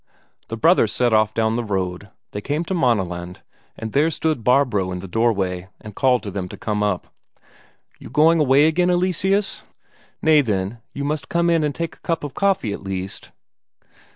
The brothers set off down the road; they came to Maaneland, and there stood Barbro in the doorway and called to them to come up. "You going away again, Eleseus? Nay, then, you must come in and take a cup of coffee at least."